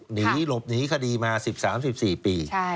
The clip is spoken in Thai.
หนีหลบหนีคดีมา๑๓๑๔ปี